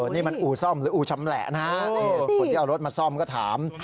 นี่มันอู่ซ่อมหรืออู่ชำแหละนะฮะคนที่เอารถมาซ่อมก็ถาม